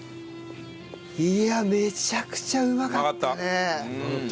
いやあめちゃくちゃうまかったね！